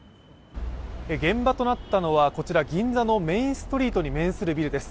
現場となったのは銀座のメインストリートに面するビルです。